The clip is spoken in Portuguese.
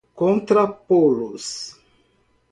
contrapô-los